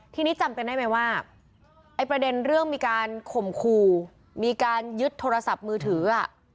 ทีนี้จำกันได้ไหมว่าไอ้ประเด็นเรื่องมีการข่มขู่มีการยึดโทรศัพท์มือถือ